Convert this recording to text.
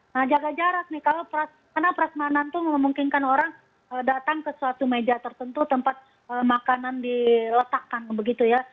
nah jaga jarak nih kalau karena prasmanan itu memungkinkan orang datang ke suatu meja tertentu tempat makanan diletakkan begitu ya